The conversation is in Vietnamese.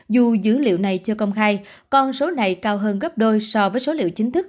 dù dữ liệu này chưa công khai con số này cao hơn gấp đôi so với số liệu chính thức